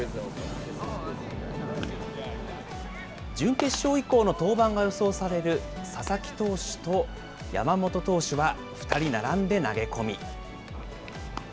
準決勝以降の登板が予想される佐々木投手と山本投手は、２人並んで投げ込み。